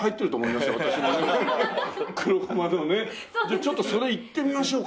ちょっとそれいってみましょうか。